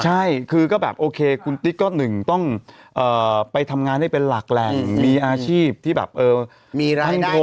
ใช่คือก็แบบโอเคคุณติ๊กก็หนึ่งต้องไปทำงานให้เป็นหลักแหล่งมีอาชีพที่แบบมีรายได้